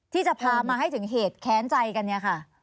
ที่จะพามาให้ถึงเหตุแค้นใจกันเนี่ยค่ะ